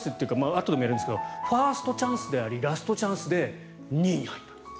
あとでやるんですけどファーストチャンスでありラストチャンスで２位に入ったと。